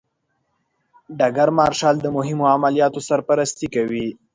ډګر مارشال د مهمو عملیاتو سرپرستي کوي.